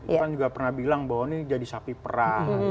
itu kan juga pernah bilang bahwa ini jadi sapi perah